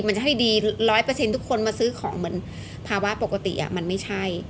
มันจะให้ดี๑๐๐ทุกคนมาซื้อของเหมือนภาวะปกติมันไม่ใช่